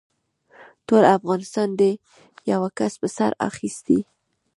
ټول افغانستان دې يوه کس په سر اخيستی.